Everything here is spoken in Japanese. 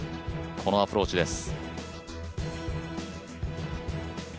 このアプローチです。